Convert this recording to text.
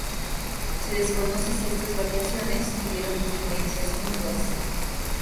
Se desconoce si estas variaciones tuvieron influencias mutuas.